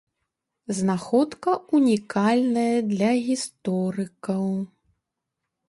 Знаходка ўнікальная для гісторыкаў.